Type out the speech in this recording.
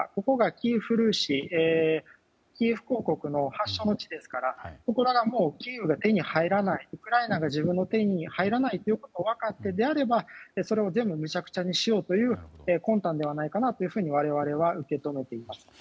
キーウはキエフ公国の発祥の地ですから、キーウが手に入らない、ウクライナが自分の手に入らないということが分かっているのならそれを全部めちゃくちゃにしようという魂胆ではないかなと我々は受け止めています。